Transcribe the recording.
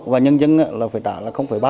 và nhân dân phải tả là ba